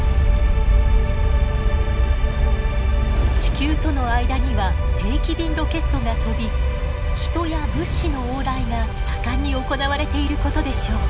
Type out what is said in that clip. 地球との間には定期便ロケットが飛び人や物資の往来が盛んに行われていることでしょう。